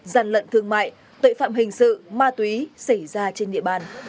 giàn lận thương mại tội phạm hình sự ma túy xảy ra trên địa bàn